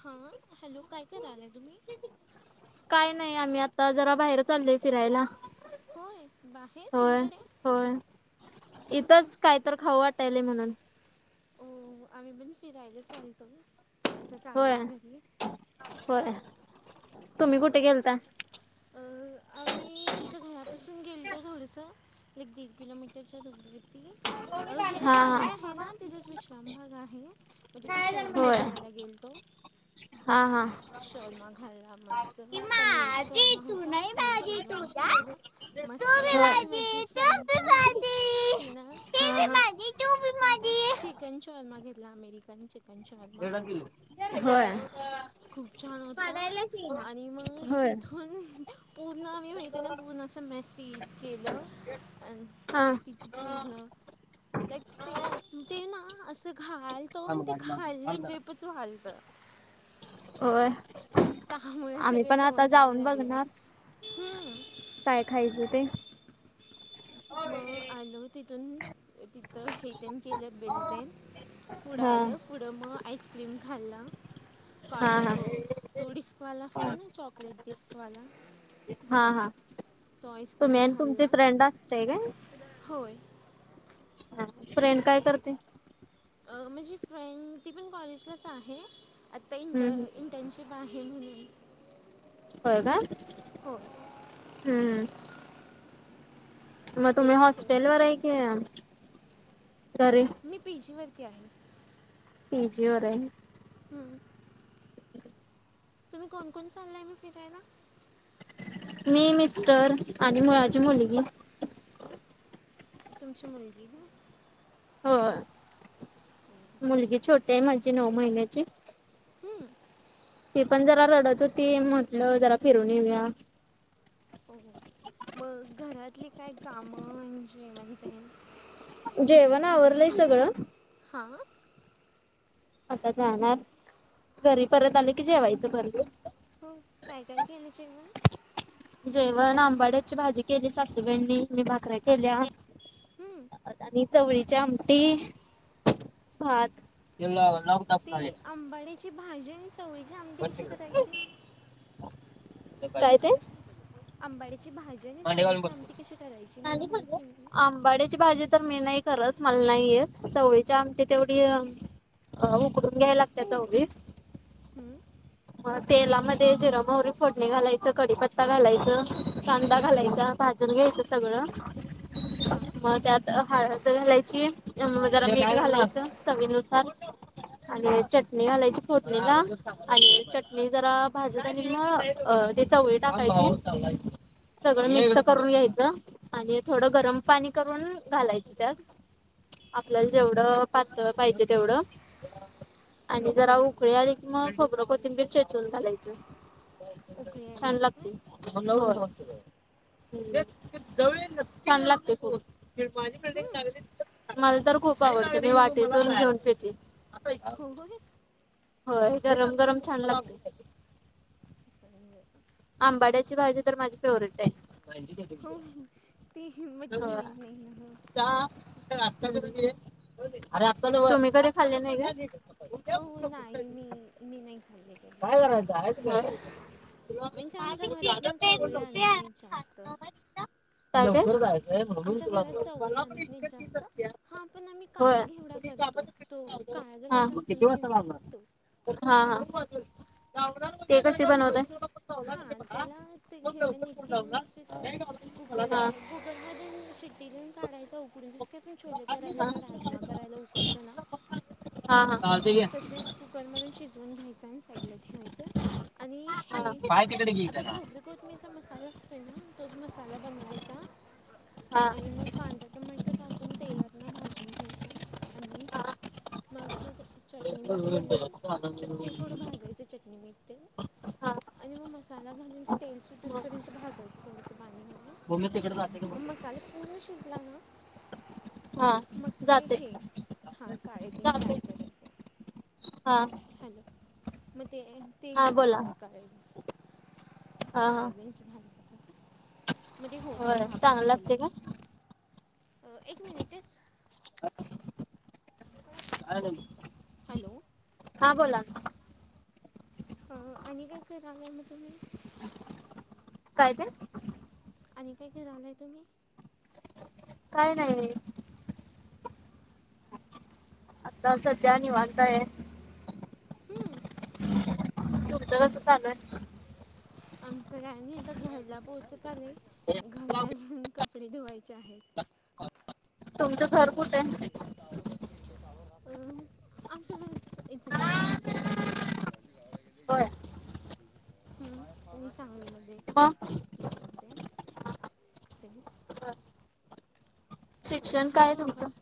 हा हॅलो काय करायलाय तुम्ही? काय नाही आम्ही आता जरा बाहेर चालोय फिरायला हो बाहेहे कुणी होय कडे? होय इथच काहीत खाऊ वाटाल म्हणून. हो आम्ही पण फिरायला चालतो आता होय चाललो घरी. होय तुम्ही कुठे गेलता? अ आम्ही आमच्या घरापासून गेलतो थोडसं. एक दीड किलोमीटरच्या दूर वरती अह हे हा सांगली आहे हा ना तिथच विश्राम भाग आहे म्हणजे ते शोरमा होय खायला गेलतो हा हा शोरमा खाल्ला मस्त पनीर माझी शोरमा तू होता नाही आणि माझी शेजवान तुझा शोरमा मस्त होय लागला आणि होय माझी फ्रेंड पण होती तिनं अ पण चिकन शोर्मा घेतला अमेरिकन चिकन शॉर्मा ा किलो होय. खूप छान होता आणि मग तथून पूर्ण आम्ही पूर्ण असं मेसेज केलं अन् हा. क पूजण लाईक ते ते ना अस ते घालतो आणि ते खाल नाही हा टेपच घालतं. होय. तामुळे आम्ही सगळे पण आता तोंडडायला जाऊन लागले बघणार हम्. काय खायचं ते. मग आलो तिथून तिथं हेटन केलं बेलटन. पुढ हा आल पुढ मग आईस्क्रीम खाल ना का हा नाही हा तो तो डिस्क वाला असते ना चॉकलेट डिस्क वाला. हा हा तुम्ही आईस्क्रीम आणि तुमची खाल्ला फ्रेंड असते काय? होय. हा फ्रेंड काय करते? माझी फ्रेंड ती पण कॉलेजलाच आहे आत्ता इंट हम्म हम्म इंटर्नशिप शिप आहे म्हणून. होय का हो हम्म हम्. मग तुम्ही ते हॉस्टेल वर आहे की घरी? मी पी जी वरती आहे. पी जी होर आहे. हम्म. हम्. तुम्ही कोण कोण चालय मग फिरायला? मी मिस्टर आणि मुळाची मुलगी. तुमची मुलगी ना हो मुलगी छोटी आहे माझी नऊ महिन्याची. हम्म. ती पण जरा रडत होती म्हटलं जरा फिरून येऊया. हो मग घरातली काय काम म्हणजे म्हणते. जेवण आवरलय सगळं. हा. आता जाणार घरी परत आले की जेवायचं परत वी. हो काय काय केलय जेवण? जेवण आंबाड्याची भाजी केली सासूबाईंनी मी भाकऱ्या केल्या. हं, आणि चवळीच्या आमटी भात लॉंग ते [unintelligible] आंबाड्याची भाजी आणि चवळीची आमटी बस कशी तिकडं. करायची? काय ते? आंबाड्याची भाजी आणि मांडी घालून चवळीची आमटी कशी करायची मला माहिती नाही ग. अंबाडीची भाजी त तर मी नाही करत मला नाहीय चवळीच्या आमटी तेवढी अ उकडून घ्याय लागत्या चवळी हम् तेलामध्ये जिर, महूरी फोडणी घालायचं, कडीपत्ता घालायचं कांदा हं, घालायच भाजून घ्यायचं सगळं हां मग त्यात हळ घालायची म जरा पेठ घालायचं चवीनुसार हं, आणि चटणी घालायची फोटणीला आणि चटणी जरा भाजी झाली ना अ त्याचा वय टाकायची सगळं हां मिक्स चवळी करून घ्यायचं आणि थोडं गरम पाणी करून घालायचं त्यात आपल्याला जेवढं पात पाहिजे तेवढं आणि हं, जरा उकळी आली की मग खबरं कोथिंबीर चेतवून झाालायचं उकळी आली छान की काय हो लागत. छान लागते माझी बिल्डिंग हं, लाली. मला तर खूप आवडते बाई मी वाटे घेऊन पिते. हो हो हे. हो गरम गरम छान लागतय. इ. आंबाड्याची भाजी तर माझी फेवरेट आहे हो ते च माहीत नाही आहे. का? आता कमीकडे खाल्ले नाही. हो हो नाही मी मी नाही खाल्ली ग. त आमच्या घरात ना चवळी आणत नाही जास्त ते? लवकर जायचं आहे म्हणून आमच्या तुला घरात चवळी आण नाही जास्त हा पण आम्ही होय. काळा घेवडा करतो तो काळा हा जगचा मग असतो किती ना वाजता घेवडा तो लागणार हा हा ते कसे बनवत. हा त्याला ते घेवण नीट केली नसते तो कुकर कुकर म शिट्टी काढायच उकडून दिसक पण छले करायला किंवा राजमाग करायला उकलतं ना. हा हा. तेच कुकरमधून शिजवून घ्यायचं. पगलं ठेवायचं आणि हे हा पाय तिकडे घे आपलं त्याला खोबलं तोच मी ज मसाला असतो ना तोच मसाला बनवायचा आणि मग कांदा्या टोमॅटो टाकून तेलातून भाजून घ्यायचं आणि हा. मग हा चटणी मीठ घालून मग चट थोडं भाजायची चटणी मीठ. ते आणि मग मसाला घालून ते तेल सु तसपर्यंत भाजायचें थोडं पाणी मम्मी तिकडे जाते का हो मग? मसाले पूर्ण शिजला ना. हा मग ते जाते हे हा काळेबीन सार जाते करयते हा हॅलो मग ते ते हा बोला घालायचे काळवी हा हा काळवीी. अस झा. मध्ये होतच होय ह आपण चांगलं ठेवलं लागते की का? एक मिनिटच हॅलो अ, हा बोला. आणि काय कराव मग तुम्ही? काय ते आणि काय काय राहिलंय तुम्ही? काय नाही. आता सध्या नि वाताय हम्म तुमचं कस चाल आमच्यां गाय नाही तर घरला पोहोचत आले घरला जाऊन कपडे धुवायचे आहेत तुमचं घर कुठे आमच्याचल त्यां. होय ह मी सांगलीमध्ये राहते. मग त ज न जा आहे त्याच शिक्षण काय हॅलो आहे तुमचं? आवाज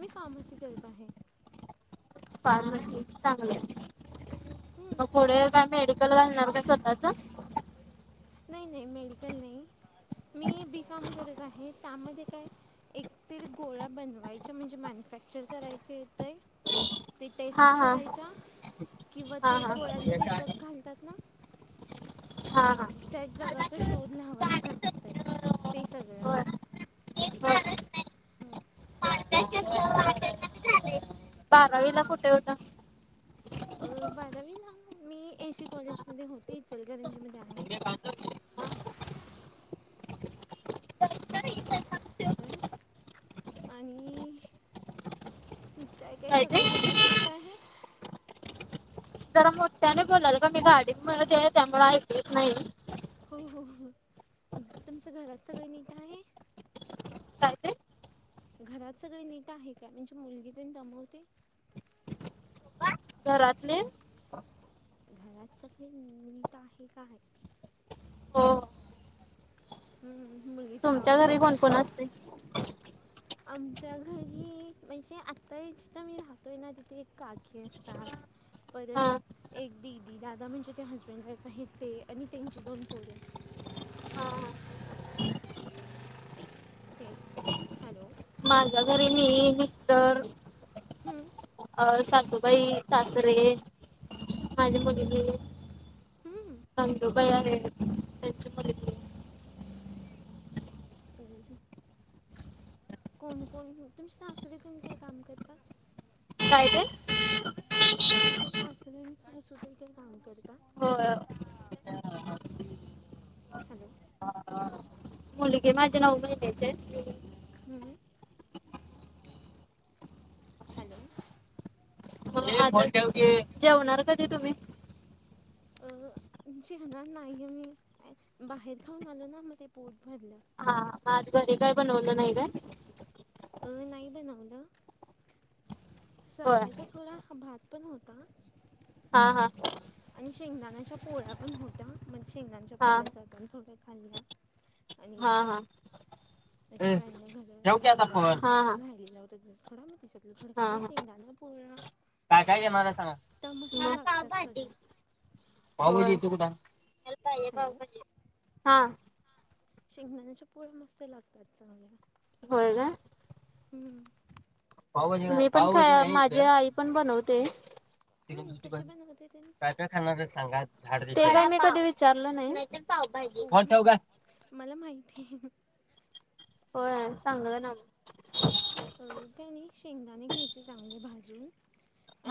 मी फार्मसी करत आहे फार्मसी चांगले मग हं, पुढ काय मेडिकल घालणार का स्वतःच नाही नाही मेडिकल नाही मी बी कॉम करत आहे त्यामध्ये काय एकतरी गोळ्या बनवायच्या म्हणजे मॅन्युफॅक्चर करायचे येतय ते हा टेस्ट हा करायच्या किंवा हा ते हा हे गोळ्यांमध्ये काय कक घालतात ना हा हा त्याच जगाचा शोध लावायचा असत ते सगळ्या होय ब्रगाचा हम् बारावी ला कुठे होतं बधावी ना मी ए सी कॉलेजमध्ये होते इचलकरंजमध्ये आहे ठीक आहेच आणि नुसतय काय सगळे घरात नीट आहे जरा मोठ्याने बोलाल का मी गाडीत त्यामुळे ऐकच नाही हो हो हो तुमचं घरात सगळं नीट आहे काय ते घरात सगळे नीट आहे का म्हणजे मुलगी त्यान दबवते घरातले घरात सगळी नीट आहे काय हो हम् मुलगीचा तुमच्या आवाज य घरी का कोण कोण असते? आमच्या घरी म्हणजे आत्ताही जिथं मी राहतोय ना तिथे एक काकी असत हा परत हा एक दीदी दादा म्हणजे ते हस्बंड वाईफ आहेत ते आणि त्यांची दोन पोरं आहेत हा. हॅलो माझ्या घरी मी इ तरर हम्म अ सासूबाई सासरे माझी मुलगी हं. नु बया आहेच ह कोण कोण तुमची सासरी तुम्ही काही काम कर का काय ते तुमचे सासऱसधा काही काम करता हो हॅलो हा हा मुलगी माझे नऊ महिन्याचे हम्म हॅलो जेवणार कधी तुम्ही म हा नाही मम्ही बाहेर खाऊन आलो ना मग ते पोट भरलं मग हा घरी काय बनवलं नाही का अ नाही बनवलं होय सकाळचा थोडा भात पण होता हा हा आणि शेंगदाणाच्या पोळ्या पण होत्या म्हणजे शेंगदाच्या हा पोळ्याचा पण थोड्या खाल्ल्या आणि हा हा माझ्या फ्रेंडने ठेव घरी की आता डबा फोन हा हा राहिलेला होता त्या थोडा मा शकत हा थोडकाना हा शेंगदाना पोळा काय काय घेणार आहे सांगा लागतात सगळ्या हॅलो हा शेंगदाण्याच्या पोळ्या मस्त लागतात चांगल्या होय काय हम्म मी ते पण काय माझी आई पण बनवते चिकन हम्म सिक्स्टी कशी फाय बनगत त्यां? ते काय मी कधी विचारलं नाही पावभाजी. फोन ठेव ग. मला माहिती आहे हा सांगलं ना अ काय नाही शेंगदाणे घ्यायचे चांगले भाजून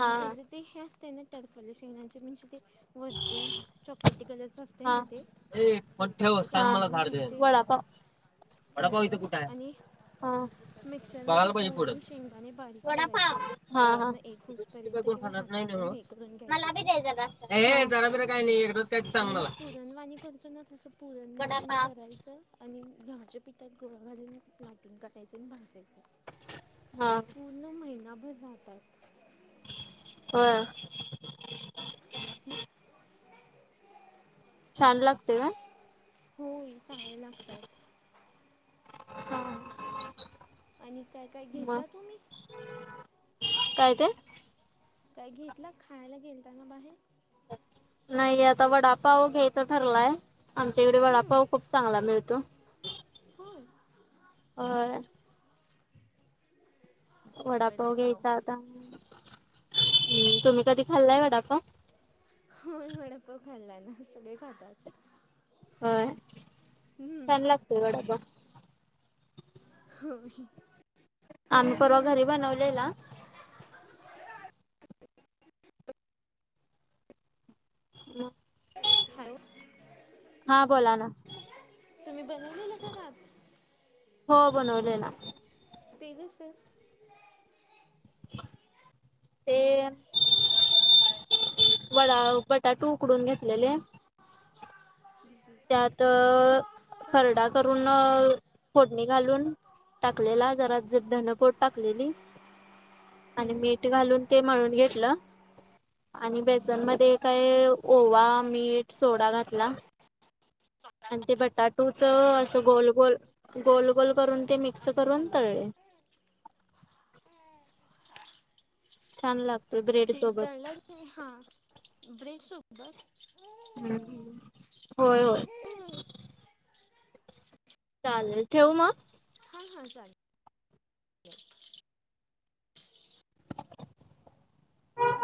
हा त्याचे ते हे असता त्यांना टरफल्या शेंगण्याचे म्हणजे ते वजन चॉकलेटी कलर्स असते त्यां हा ना ते ए फोन ठेव फुलपाटी ते सांग हा. मला काढून झाड दे. घ्यायचे वडापाव वडापाव इथं कुठं आहे? चांगलं आणि हा मिक्शरमध्ये बघायला पाहिजे गूळ पुढं. आणि शेंगदाणे बारीक वडापाव करायचे हा हा पूर्ण एक काय उसपर्यंत कोण किंवा खाणार नाही ना हो. हातानं एक करून घ्यायचं मला बी ते दे जरा ए एकजीव जरा बिरा करुन काय नाही एकदाच काय सांग आणि मग मला. पुरणवाणी तो ना तसं पुरणवाणी वडापाव करायचं आणि गव्हाच्या पिठात गोळा घालून लाटून काटायचें आणि भाजायचं हा पण महिनाभर जातात होय ह छान लागते का? होय चांगले लागतात आणि काय काय मग घेतला तुम्ही? काय काय काय घेतला खायला गेल त्यांना बाहेर नाही आता वडापाव घ्यायचा ठरलाय आमच्याकडे हं, वडापाव खूप चांगला मिळतो होय होय वडापाव घ्यायचा आता तुम्ही कधी खाल्लाय वडापाव? होय वडापाव खाल्ला ना सगळे खातात हा हम्म छान लागतं वडापाव होय आम्ही परवा घरी बनवलेला ह हॅलो हा बोला ना तुम्ही बनवलेलं का भात? हो बनवले ना ते कसं ते वडा बटाटू उकडून घेतलेले त्यात हे का खरडा का करून फोडणी घालून टाकलेला जरा धने पूड टाकलेली आणि हम्म मीठ घालून ते मळून घेतलं. आणि बेसन मध्ये काय ओवा मीठ सोडा घातला. आणि ते बटाटूच असं गोल गोल गोल गोल करून ते मिक्स आणि करून हॅलो तळले. छान लाग त तळलं हा ब्रेक सोबत होय होय हां चालेल ठेवू मग हा हा चालेल